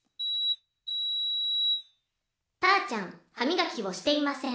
どーもくんはみがきをしていません」。